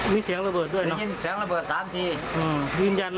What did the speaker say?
ยินเสียงระเบิดด้วยเหรออืมยินแจนเหรอ